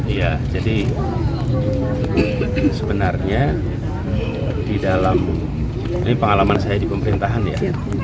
iya jadi sebenarnya di dalam ini pengalaman saya di pemerintahan ya